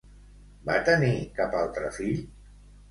Va tenir cap altre fill?